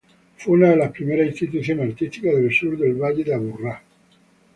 Fue una de las primeras instituciones artísticas del sur del Valle de Aburrá.